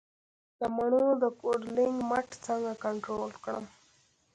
د مڼو د کوډلینګ مټ څنګه کنټرول کړم؟